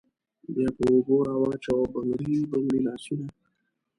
بیا په اوږو راوچوه بنګړي بنګړي لاسونه